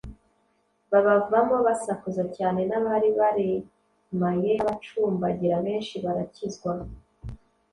babavamo basakuza cyane; n’abari baremaye, n’abacumbagira benshi barakizwa.